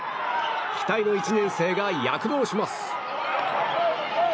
期待の１年生が躍動します。